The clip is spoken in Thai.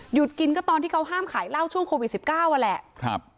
หยุดกินก็ตอนที่เขาห้ามขายเหล้าช่วงโควิดสิบเก้าอ่ะแหละครับ